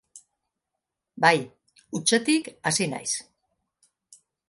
Bai, hutsetik hasi naiz.